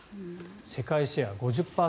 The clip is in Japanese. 世界シェア５０％。